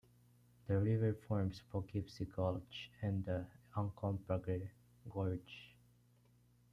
The river forms Poughkeepsie Gulch and the Uncompahgre Gorge.